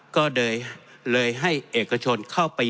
ก็เลยให้เอกชนเข้าไป